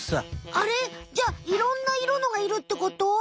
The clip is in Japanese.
あれ？じゃいろんな色のがいるってこと？